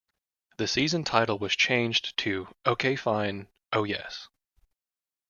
The season title was changed to Ok Fine, Oh Yes!